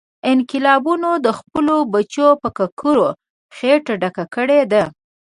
انقلابونو د خپلو بچو په ککرو خېټه ډکه کړې ده.